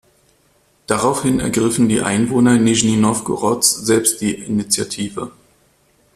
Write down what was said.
Daraufhin ergriffen die Einwohner Nischni Nowgorods selbst die Initiative.